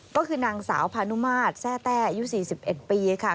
ก็คือนางสาวพานุมาตรแทร่แต้อายุ๔๑ปีค่ะ